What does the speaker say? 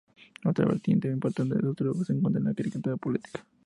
Otra vertiente importante de su trabajo se encuentra en la caricatura política.